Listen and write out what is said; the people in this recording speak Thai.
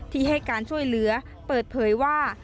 ที่ให้การช่วยเหลือเปิดเผยว่า